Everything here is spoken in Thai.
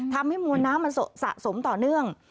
ทำให้มวลน้ำมันสะสมต่อเนื่อง